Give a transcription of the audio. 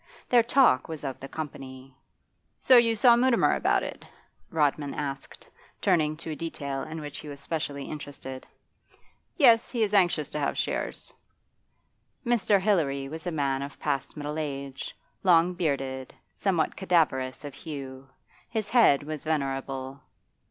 Their talk was of the company. 'So you saw Mutimer about it?' Rodman asked, turning to a detail in which he was specially interested. 'Yes. He is anxious to have shares.' Mr. Hilary was a man of past middle age, long bearded, somewhat cadaverous of hue. His head was venerable.